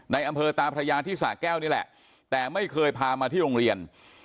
ในอำเภอตาพระยาที่สะแก้วนี่แหละแต่ไม่เคยพามาที่โรงเรียน